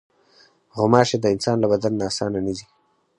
غوماشې د انسان له بدن نه اسانه نه ځي.